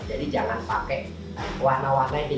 jadi jangan pakai warna warna yang tidak natural